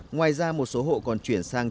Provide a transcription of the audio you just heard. ngoài ra một số hộ còn chuyển sang trị